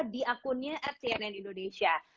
di akunnya at cnn indonesia